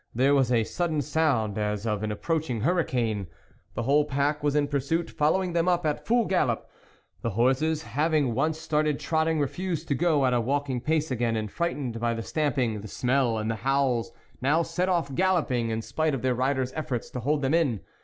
There was a sudden sound as of an approaching hurricane the whole pack was in pursuit, following them up at full gallop. The horses, having once started trotting, refused to go at a walking pace again, and frightened by the stamp ing, the smell, and the howls, now set off galloping, in spite of their riders' efforts to hold them in.